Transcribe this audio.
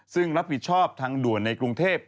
ซึ่งรับผิดชอบทางด่วนในกรุงเทพ